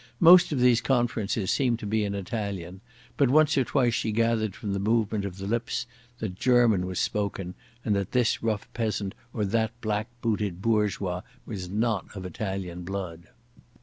Mostly these conferences seemed to be in Italian, but once or twice she gathered from the movement of the lips that German was spoken and that this rough peasant or that black hatted bourgeois was not of Italian blood.